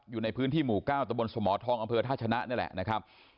อยู่ในพื้นที่หมู่๙ตะบนสมทองอำเภอท่าชนะนี่แหละนะครับ